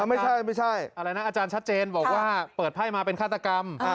ไม่ใช่อะไรนะอาจารย์ชัดเจนบอกว่าเปิดไพ่มาเป็นฆาตกรรม